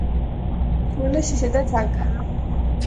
ფრონეს ისედაც ანკარა